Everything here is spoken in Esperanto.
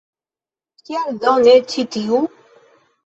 Kial do ne ĉi tiu?